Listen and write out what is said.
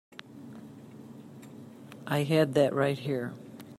I had that right here.